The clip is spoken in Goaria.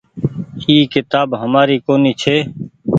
اي ڪيتآب همآري ڪونيٚ ڇي